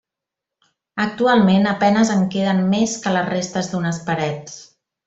Actualment a penes en queden més que les restes d'unes parets.